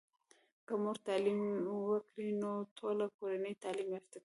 که مور تعليم وکړی نو ټوله کورنۍ تعلیم یافته کیږي.